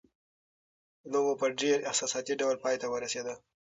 لوبه په ډېر احساساتي ډول پای ته ورسېده.